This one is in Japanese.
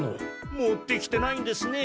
持ってきてないんですね。